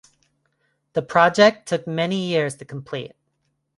The project took many years to complete.